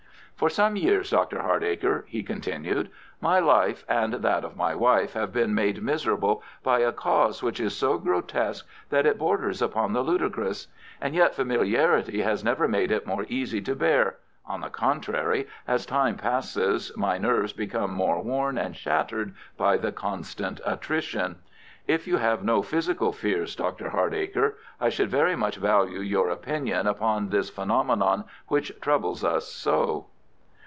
"For some years, Dr. Hardacre," he continued, "my life and that of my wife have been made miserable by a cause which is so grotesque that it borders upon the ludicrous. And yet familiarity has never made it more easy to bear—on the contrary, as time passes my nerves become more worn and shattered by the constant attrition. If you have no physical fears, Dr. Hardacre, I should very much value your opinion upon this phenomenon which troubles us so."